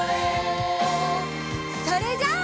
それじゃあ。